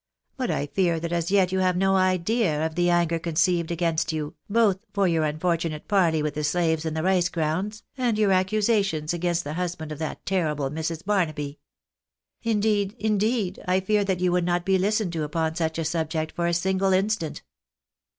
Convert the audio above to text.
But I fear that as yet you have no idea of the anger conceived against you, both for your unfortunate parley with the slaves in the rice grounds, and your accusations against the husband of that terrible Mrs. Barnaby. Indeed, indeed, I fear that you would not be listened to upon such a subject for a single instant."